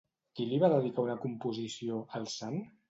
Qui li va dedicar una composició, al sant?